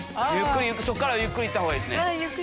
そっからはゆっくり行ったほうがいいですね。